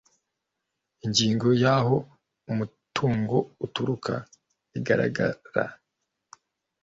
Ingingo ya Aho umutungo uturuka iragaragara